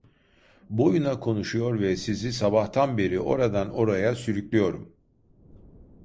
Boyuna konuşuyor ve sizi sabahtan beri oradan oraya sürüklüyorum.